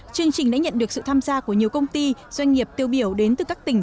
chương trình đã nhận được sự tham gia của nhiều công ty doanh nghiệp tiêu biểu đến từ các tỉnh